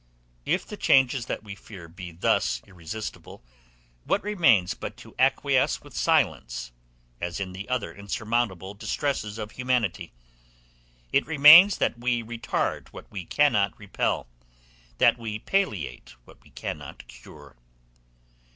If the changes that we fear be thus irresistible, what remains but to acquiesce with silence, as in the other insurmountable distresses of humanity? It remains that we retard what we cannot repel, that we palliate what we cannot cure.